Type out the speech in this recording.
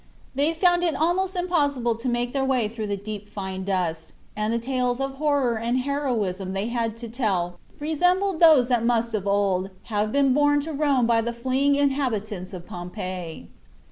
They found it almost impossible to make their way through the deep fine dust, and the tales of horror and heroism they had to tell resembled those that must of old have been borne to Rome by the fleeing inhabitants of Pompeii.